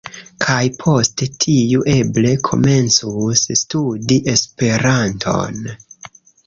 Kaj post tiu eble komencus studi Esperanton